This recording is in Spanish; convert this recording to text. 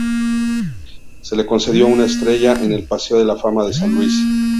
Se le concedió una "estrella" en el Paseo de la fama de San Luis.